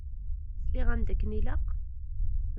Sliɣ-am-d akken ilaq?